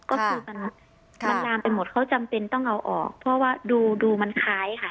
ก็คือมันมันลามไปหมดเขาจำเป็นต้องเอาออกเพราะว่าดูมันคล้ายค่ะ